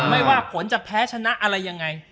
ไม่ว่าผลจะแพ้ชนะอะไรยังไง